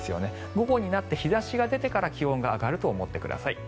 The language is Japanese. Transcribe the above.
午後になって日差しが出てから気温が上がると思ってください。